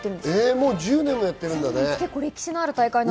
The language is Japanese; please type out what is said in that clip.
もう１０年からやってるんだね。